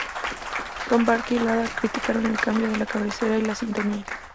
Tom Baker y Lalla Ward criticaron el cambio de la cabecera y la sintonía.